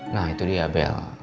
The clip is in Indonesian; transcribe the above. nah itu dia bel